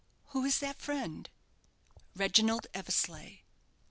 "Who is that friend?" "Reginald Eversleigh."